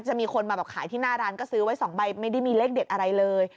จะมีคนมาแบบขายที่หน้าร้านก็ซื้อไว้๒ใบไม่ได้มีเลขเด็ดอะไรเลย